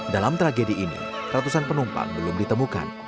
dalam tragedi ini ratusan penumpang belum ditemukan